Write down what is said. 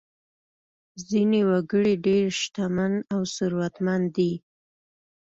ځینې وګړي ډېر شتمن او ثروتمند دي.